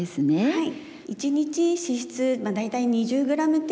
はい。